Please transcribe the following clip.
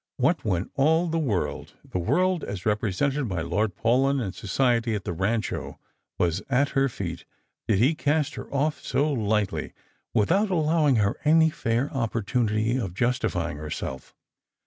What, when all the world — the world as represented by Lord Paulyn and society at the Rancho — was at her feet, did he cast her off so lightly, without allowing her any fair opportunity of justifying herself?